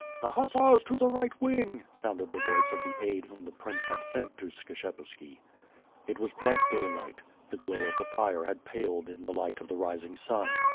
"The hussars to the right wing," sounded the voice of the aid whom the prince had sent to Skshetuski. It was bright daylight. The glow of the fire had paled in the light of the rising sun.